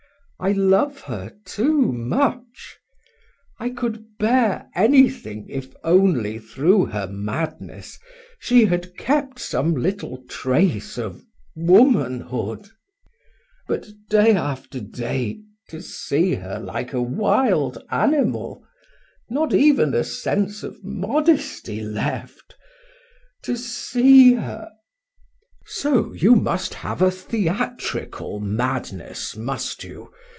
I love her too much! I could bear anything if only through her madness she had kept some little trace of womanhood. But, day after day, to see her like a wild animal, not even a sense of modesty left, to see her " "So you must have a theatrical madness, must you!"